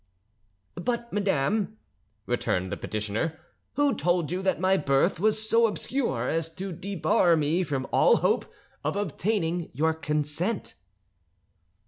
"But, madame," returned the petitioner, "who told you that my birth was so obscure as to debar me from all hope of obtaining your consent?"